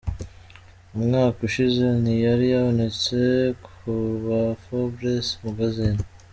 Umwaka ushize ntiyari yabonetse ku rwa Forbes Magazine.